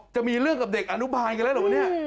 จะมีเรื่องกับเด็กอาณุบาลกันแล้วหรือเปล่า